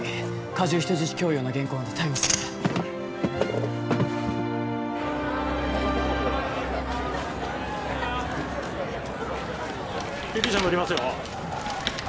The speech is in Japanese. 加重人質強要の現行犯で逮捕する救急車乗りますよ